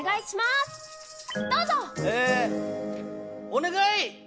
お願い！